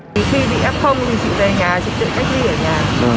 từ khi bị f thì chị về nhà chị tự cách ly ở nhà